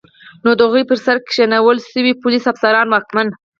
نو د هغوی پر سر کینول شوي پولیس، افسران، واکمن